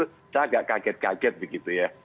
saya agak kaget kaget begitu ya